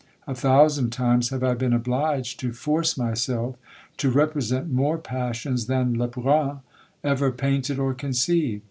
A thousand times have I been obliged to force myself to represent more passions than Le Brun ever painted or conceived.